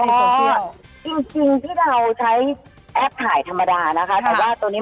ครับอ่าจริงจริงที่เราใช้ถ่ายธรรมดานะครับขายขาดตัวนี้